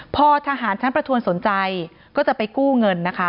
พอทหารชั้นประทวนสนใจก็จะไปกู้เงินนะคะ